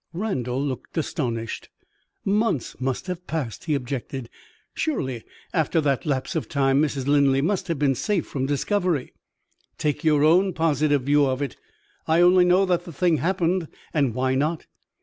Randal looked astonished. "Months must have passed," he objected. "Surely, after that lapse of time, Mrs. Linley must have been safe from discovery." "Take your own positive view of it! I only know that the thing happened. And why not?